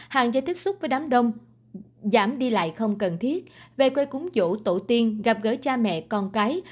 hàng do tiếp xúc với đám đông giảm đi lại không cần thiết về quê cúng dỗ tổ tiên gặp gỡ cha mẹ con cái